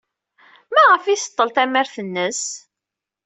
Maɣef ay iseḍḍel tamart-nnes?